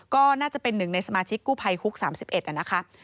ก็น่าจะเป็นหนึ่งในสมาชิกกู้ภัยฮุก๓๑นะคะ